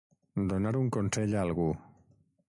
Donar un consell a algú.